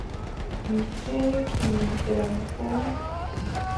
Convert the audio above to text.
Mi seeki limce am fuu.